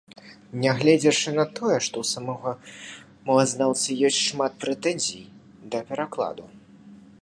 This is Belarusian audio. Нягледзячы на тое, што ў самога мовазнаўцы ёсць шмат прэтэнзій да перакладу.